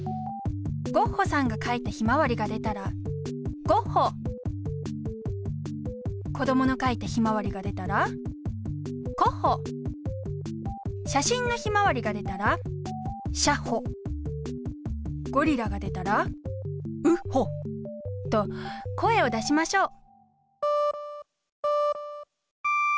ゴッホさんが描いた「ひまわり」が出たら子どもの描いた「ひまわり」が出たらしゃしんの「ひまわり」が出たらゴリラが出たらと声を出しましょう！